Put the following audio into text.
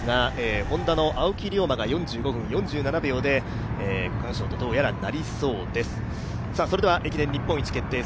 Ｈｏｎｄａの青木涼真が区間賞とどうやらなりそうです。